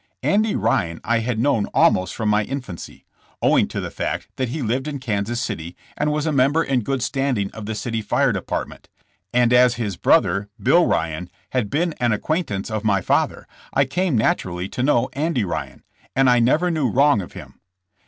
Andy Ryan I had known almost from my infancy, owing to the fact that he lived in Kansas City and was a member in good standing of the city fire department, and as his brother. Bill Ryan, had been an acquaintance of my father, I came naturally to know Andy Ryan, and I never knew wrong of him.